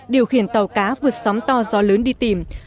điều khiển tàu cá vượt sóng to gió lớn đi tìm